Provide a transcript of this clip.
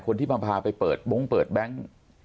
คนที่มาพาไปเปิดบงค์เปิดแบงค์